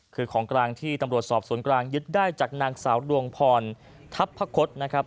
คือของกลางที่ตำรวจสอบสวนกลางยึดได้จากนางสาวดวงพรทัพพคศนะครับ